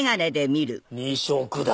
２色だ！